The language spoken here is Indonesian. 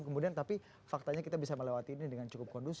kemudian tapi faktanya kita bisa melewati ini dengan cukup kondusif